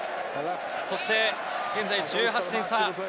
そして現在１８点差。